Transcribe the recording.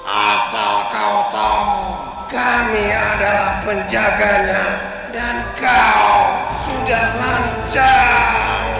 asal kau tahu kami adalah penjaganya dan kau sudah lancar